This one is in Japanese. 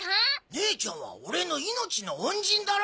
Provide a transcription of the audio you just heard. ねえちゃんは俺の命の恩人だろ？